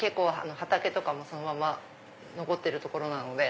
畑とかもそのまま残ってる所なので。